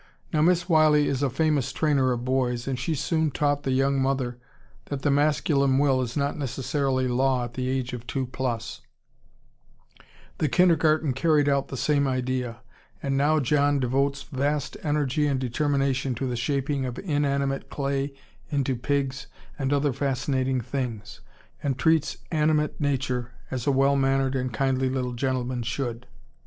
Now Miss Wiley is a famous trainer of boys, and she soon taught the young mother that the masculine will is not necessarily law at the age of two plus; the kindergarten carried out the same idea, and now John devotes vast energy and determination to the shaping of inanimate clay into pigs and other fascinating things, and treats animate nature as a well mannered and kindly little gentleman should."